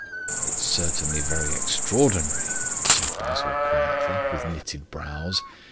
"It's certainly very extraordinary," said Basil quietly, with knitted brows.